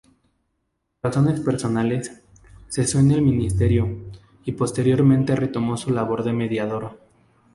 Por razones personales cesó en el ministerio y posteriormente retomó su labor de mediador.